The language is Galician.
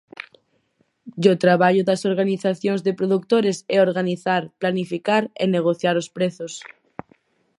E o traballo das organizacións de produtores é organizar, planificar e negociar os prezos.